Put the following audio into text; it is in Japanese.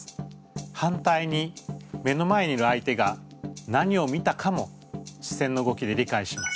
反対に目の前にいる相手が何を見たかも視線の動きで理解します。